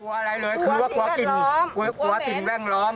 กลัวอะไรเลยคือว่ากลัวกลัวกลิ่นแรงล้อม